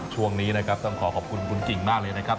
ช่วงนี้นะครับต้องขอขอบคุณคุณกิ่งมากเลยนะครับ